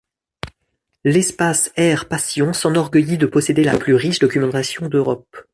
L'Espace Air Passion s'enorgueillit de posséder la plus riche documentation d’Europe.